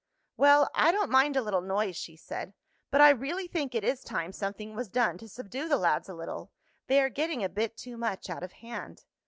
"Well, I don't mind a little noise," she said. "But I really think it is time something was done to subdue the lads a little. They are getting a bit too much out of hand."